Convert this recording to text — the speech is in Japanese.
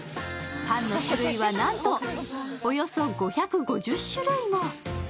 パンの種類はなんとおよそ５５０種類も。